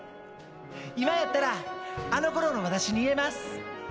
今やったらあのころの私に言えます。